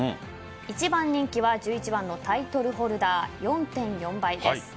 一番人気は１１番のタイトルホルダー４．４倍です。